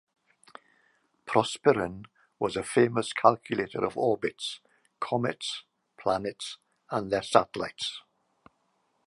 Prosperin was a famous calculator of orbits: comets, planets, and their satellites.